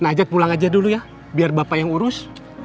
ajak pulang aja dulu ya biar bapak yang urus